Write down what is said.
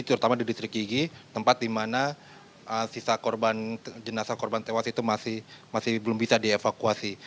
terutama di distrik yigi tempat di mana sisa korban jenazah korban tewas itu masih belum bisa dievakuasi